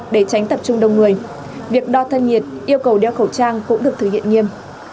để tránh tập trung đông người việc đo thân nhiệt yêu cầu đeo khẩu trang cũng được thực hiện nghiêm